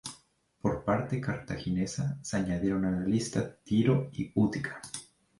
Por parte cartaginesa, se añadieron a la lista Tiro y Útica.